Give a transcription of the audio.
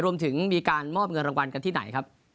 รวมถึงมีการมอบเงินรางวัลกันที่ไหนครับ